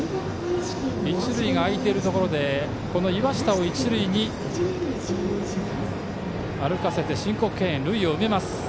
一塁が空いているところで岩下を一塁に歩かせて申告敬遠で塁を埋めます。